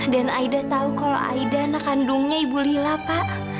dan aida tahu kalau aida anak kandungnya ibu lila pak